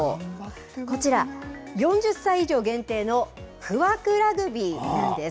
こちら、４０歳以上限定の不惑ラグビーなんです。